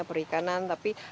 perikanan dan lain sebagainya